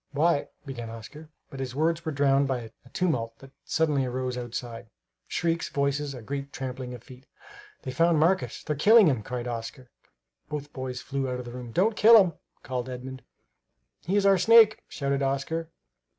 "Why" began Oscar; but his words were drowned by a tumult that suddenly arose outside; shrieks, voices, a great trampling of feet. "They've found Marcus! They're killing him!" cried Oscar. Both boys flew out of the room. "Don't kill him!" called Edmund. "He is our snake!" shouted Oscar.